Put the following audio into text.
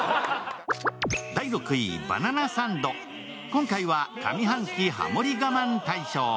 今回は上半期ハモリ我慢大賞。